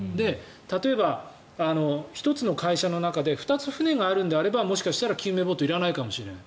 例えば、１つの会社の中で２つ、船があるのであればもしかしたら救命ボートはいらないかもしれない。